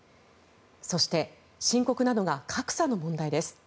そして深刻なのが格差の問題です。